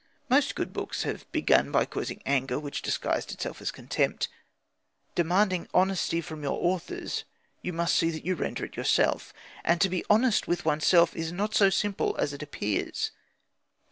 Most good books have begun by causing anger which disguised itself as contempt. Demanding honesty from your authors, you must see that you render it yourself. And to be honest with oneself is not so simple as it appears.